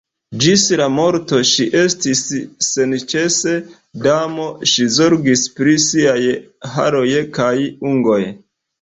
Ĝis la morto ŝi estis senĉese damo, ŝi zorgis pri siaj haroj kaj ungoj.